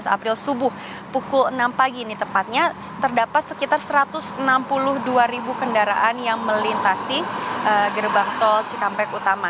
tujuh belas april subuh pukul enam pagi ini tepatnya terdapat sekitar satu ratus enam puluh dua ribu kendaraan yang melintasi gerbang tol cikampek utama